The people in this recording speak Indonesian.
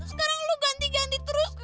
sekarang lo ganti ganti terus